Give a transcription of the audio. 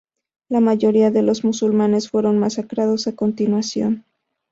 La mayoría de los musulmanes fueron masacrados a continuación.